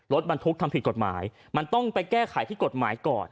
รถบรรทุกทำผิดกฎหมายมันต้องไปแก้ไขที่กฎหมายก่อน